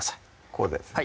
こうですね